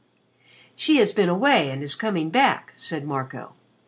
"She has been away and is coming back," said Marco.